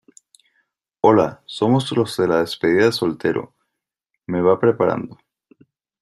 hola, somos los de la despedida de soltero. me va preparando